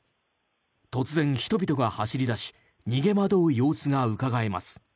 突然、人々が走り出し逃げ惑う様子がうかがえます。